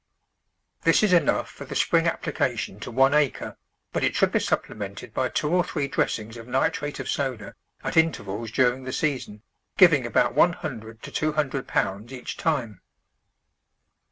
This is enough for the spring application to one acre, but it should be supplemented by two or three dressings of nitrate of soda at intervals during the season, giving about one hundred to two hundred pounds each time.